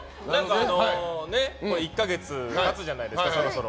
１か月経つじゃないですかそろそろ。